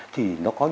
thì nó có nhiều